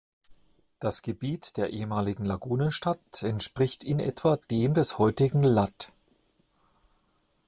Das Gebiet der ehemaligen Lagunenstadt entspricht in etwa dem des heutigen Lattes.